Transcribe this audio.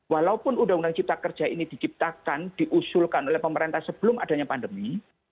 walaupun undang undang cipta kerja ini diciptakan diusulkan oleh pemerintah sebelum adanya pandemi